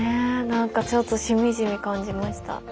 何かちょっとしみじみ感じました。